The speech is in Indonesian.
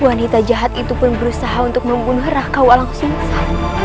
wanita jahat itu pun berusaha untuk membunuh raka walang sengsara